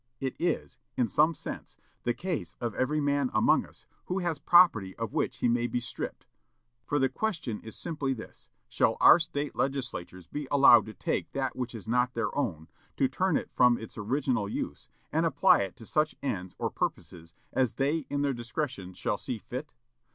It is, in some sense, the case of every man among us who has property of which he may be stripped, for the question is simply this: Shall our State Legislatures be allowed to take that which is not their own, to turn it from its original use, and apply it to such ends or purposes as they in their discretion shall see fit?